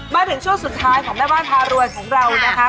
มาถึงช่วงสุดท้ายของแม่บ้านพารวยของเรานะคะ